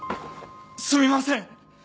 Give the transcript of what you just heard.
すみません！